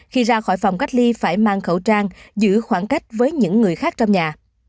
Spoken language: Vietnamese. khi ra khỏi phòng cách ly phải mang khẩu trang giữ khoảng cách với những người khác trong nhà